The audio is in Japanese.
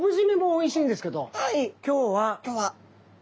今日は。